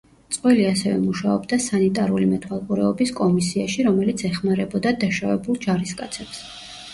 წყვილი ასევე მუშაობდა სანიტარული მეთვალყურეობის კომისიაში, რომელიც ეხმარებოდა დაშავებულ ჯარისკაცებს.